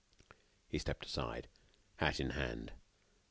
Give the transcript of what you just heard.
He stepped aside, hat in hand.